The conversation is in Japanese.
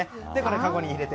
かごに入れて。